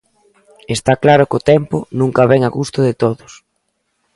Está claro que o tempo nunca vén a gusto de todos.